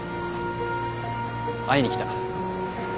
会いに来た。